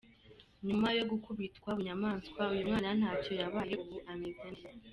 Nyuma yo gukubitwa bunyamaswa uyu mwana ntacyo yabaye ubu ameze neza.